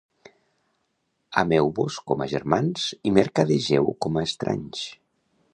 Ameu-vos com a germans i mercadegeu com a estranys.